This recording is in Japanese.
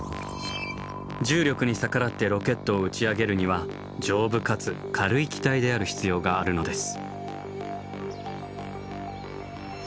重力に逆らってロケットを打ち上げるには丈夫かつ軽い機体である必要があるのです。